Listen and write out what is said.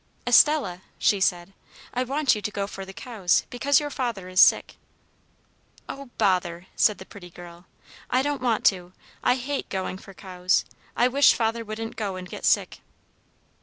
"'Estella,' she said, 'I want you to go for the cows, because your father is sick.' "'Oh, bother!' said the pretty girl. 'I don't want to! I hate going for cows. I wish father wouldn't go and get sick!'